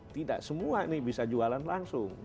tidak semua ini bisa jualan langsung